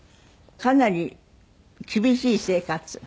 かなり厳しい生活？